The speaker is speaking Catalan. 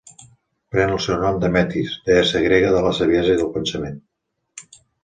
Pren el seu nom de Metis, deessa grega de la saviesa i el pensament.